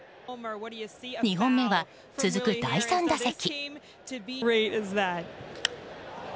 ２本目は続く第３打席。